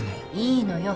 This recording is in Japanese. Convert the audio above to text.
いいのよ。